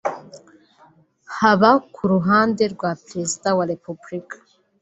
haba ku ruhande rwa Perezida wa Repubulika